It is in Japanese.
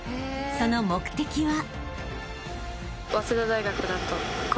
その目的は］